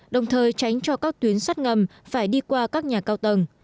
đồng thời tránh cho các tuyến sắt ngầm phải đi qua các nhà cao tầng